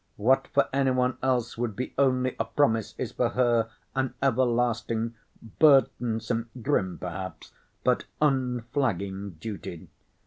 What for any one else would be only a promise is for her an everlasting burdensome, grim perhaps, but unflagging duty.